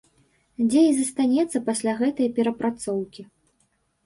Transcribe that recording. Дзе і застанецца пасля гэтай перапрацоўкі.